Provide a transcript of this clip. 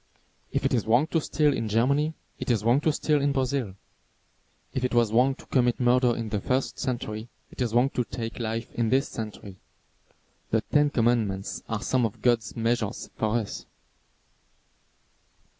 If it is wrong to steal in Germany, it is wrong to steal in Brazil. If it was wrong to commit murder in the first century, it is wrong to take life in this century. The Ten Commandments are some of God's measures for us.